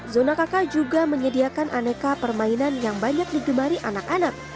zona kk juga menyediakan aneka permainan yang banyak digemari anak anak